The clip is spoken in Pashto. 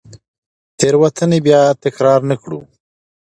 تېروتنې بیا تکرار نه کړو.